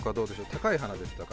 高い鼻でしたか？